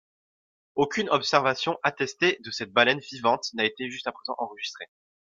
Aucune observation attestée de cette baleine vivante n'a été jusqu'à présent enregistrée.